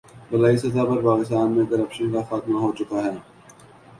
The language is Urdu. بالائی سطح پر پاکستان میں کرپشن کا خاتمہ ہو چکا ہے